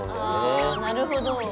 あなるほど。